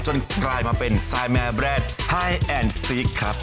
จนกลายมาเป็นไซด์แมวแบรนด์ไฮแอนด์ซีกครับ